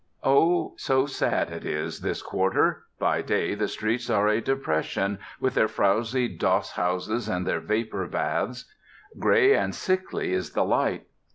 Oh, so sad it is, this quarter! By day the streets are a depression, with their frowzy doss houses and their vapor baths. Gray and sickly is the light.